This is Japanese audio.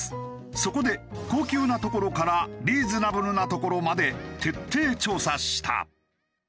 そこで高級な所からリーズナブルな所まで徹底調査した。